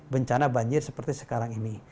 bencana banjir seperti sekarang ini